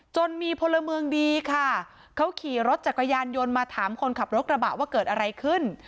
จนมีพลเมืองดีค่ะเขาขี่รถจักรยานยนต์มาถามคนขับรถกระบะว่าเกิดอะไรขึ้น